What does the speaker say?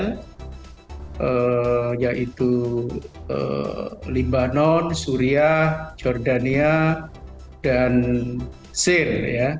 israel yaitu lebanon syria jordania dan syir